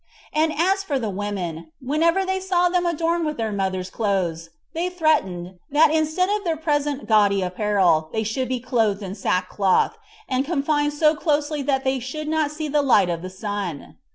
And as for the women, whenever they saw them adorned with their mother's clothes, they threatened, that instead of their present gaudy apparel, they should be clothed in sackcloth, and confined so closely that they should not see the light of the sun.